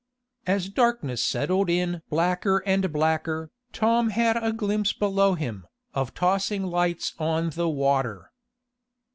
As darkness settled in blacker and blacker, Tom had a glimpse below him, of tossing lights on the water.